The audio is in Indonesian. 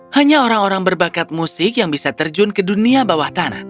hanya orang orang berbakat musik yang bisa terjun ke dunia bawah tanah